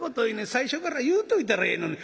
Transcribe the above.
最初から言うといたらええのに」。